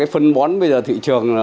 phân bón bây giờ thị trường